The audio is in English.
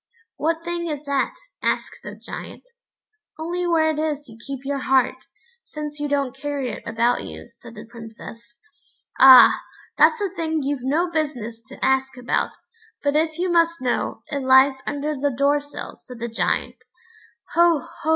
"What thing is that?" asked the Giant. "Only where it is you keep your heart, since you don't carry it about you," said the Princess. "Ah! that's a thing you've no business to ask about; but if you must know, it lies under the door sill," said the Giant. "Ho! ho!"